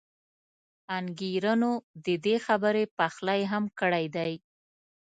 انګېرنو د دې خبرې پخلی هم کړی دی.